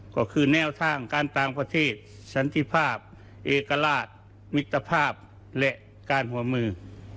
ก็คือแนวทางการต่างประเทศสันติภาพเอกราชมิตรภาพและการหัวมือ